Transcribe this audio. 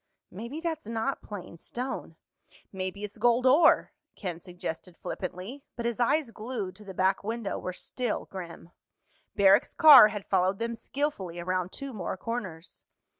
"Maybe that's not plain stone—maybe it's gold ore," Ken suggested flippantly, but his eyes glued to the back window were still grim. Barrack's car had followed them skillfully around two more corners.